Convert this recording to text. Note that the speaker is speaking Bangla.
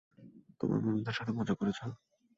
তোমার বন্ধুদের সাথে মজা করেছ?